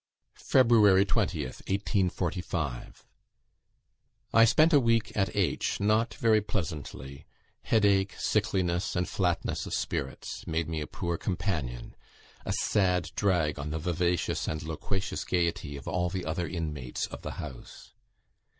"Feb. 20th, 1845. "I spent a week at H., not very pleasantly; headache, sickliness, and flatness of spirits, made me a poor companion, a sad drag on the vivacious and loquacious gaiety of all the other inmates of the house.